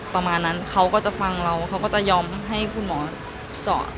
ประมาณนั้นเขาก็จะฟังเราเขาก็จะยอมให้คุณหมอเจาะ